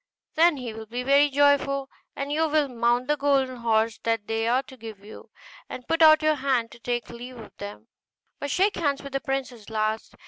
Then he will be very joyful; and you will mount the golden horse that they are to give you, and put out your hand to take leave of them; but shake hands with the princess last.